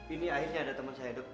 ini akhirnya ada teman saya dok